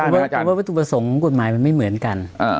เพราะว่าวัตถุประสงค์ของกฎหมายมันไม่เหมือนกัน